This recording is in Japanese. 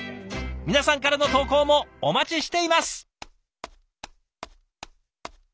皆さんからの投稿もお待ちしています。